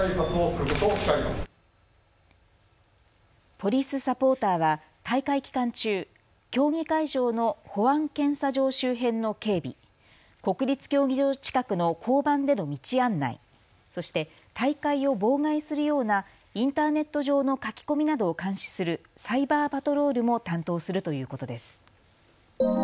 ポリスサポーターは大会期間中、競技会場の保安検査場周辺の警備、国立競技場近くの交番での道案内、そして、大会を妨害するようなインターネット上の書き込みなどを監視するサイバーパトロールも担当するということです。